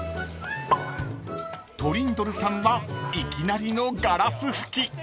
［トリンドルさんはいきなりのガラス吹き］